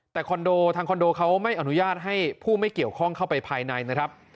แต่คอนโดทางคอนโดเขาไม่อนุญาตให้ผู้ไม่เกี่ยวข้องเข้าไปภายในนะครับ